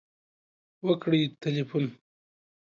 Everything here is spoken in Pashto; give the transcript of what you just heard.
.وکړئ تلیفون